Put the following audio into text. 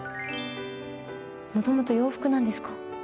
もともと洋服なんですか？